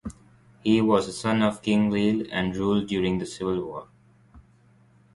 He was the son of King Leil and ruled during a civil war.